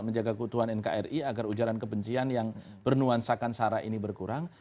menjaga keutuhan nkri agar ujaran kebencian yang bernuansakan sara ini berkurang